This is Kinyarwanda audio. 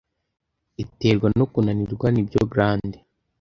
iterwa no kunanirwa nibyo glande